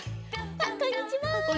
あっこんにちは。